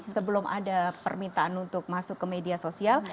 sebelum ada permintaan untuk masuk ke media sosial